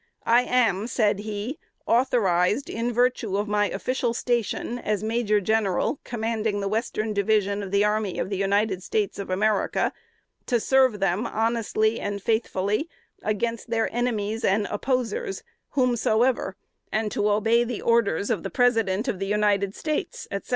I am (said he) authorized, in virtue of my official station as Major General, commanding the Western Division of the Army of the United States of America, to serve them honestly and faithfully against their enemies and opposers, whomsoever, and to obey the orders of the President of the United States, etc.